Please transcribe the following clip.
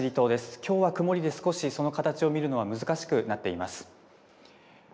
きょうは曇りで少しその形を見るのは難しくなっています。